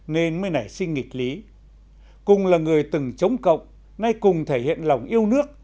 nên mới nảy sinh nghịch lý cùng là người từng chống cộng nay cùng thể hiện lòng yêu nước